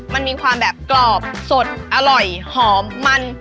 มันมีความแบบกรอบสดอร่อยหอมมัน